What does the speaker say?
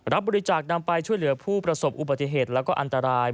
รับบริจาคนำไปช่วยเหลือผู้ประสบอุบัติเหตุและอันตราย